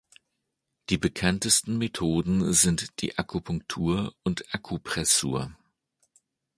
Die bekanntesten Methoden sind die Akupunktur und Akupressur.